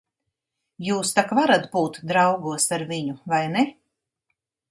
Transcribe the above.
Jūs tak varat būt draugos ar viņu, vai ne?